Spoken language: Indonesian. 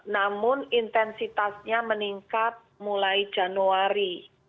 namun intensitasnya meningkat mulai januari